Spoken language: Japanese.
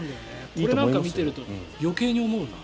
これなんか見ていると余計に思うな。